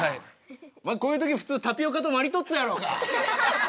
こういう時ふつうタピオカとマリトッツォやろうが！